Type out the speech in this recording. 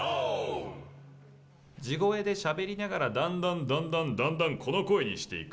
地声でしゃべりながらだんだん、だんだん、だんだんこの声にしていく。